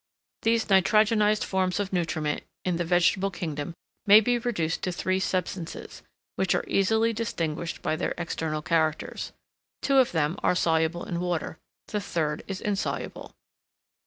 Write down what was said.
These nitrogenised forms of nutriment in the vegetable kingdom may be reduced to three substances, which are easily distinguished by their external characters. Two of them are soluble in water, the third is insoluble.